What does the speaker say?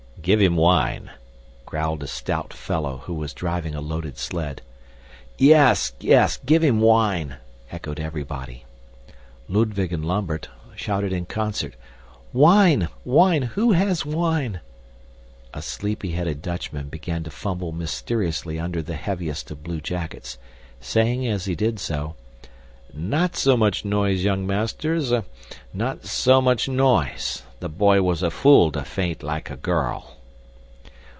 "Give him wine," growled a stout fellow who was driving a loaded sled. "Yes! yes, give him wine!" echoed everybody. Ludwig and Lambert shouted in concert, "Wine! Wine! Who has wine?" A sleepy headed Dutchman began to fumble mysteriously under the heaviest of blue jackets, saying as he did so, "Not so much noise, young masters, not so much noise! The boy was a fool to faint like a girl."